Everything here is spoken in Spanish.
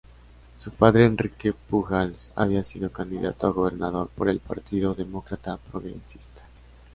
Su padre, Enrique Pujals, había sido candidato a gobernador por el Partido Demócrata Progresista.